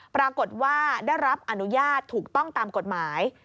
ปรากฏว่าได้รับอนุญาตถูกต้องตามกฎหมาย